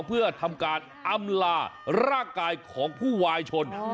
เพื่อทำการอำลาร่างกายของผู้วายชน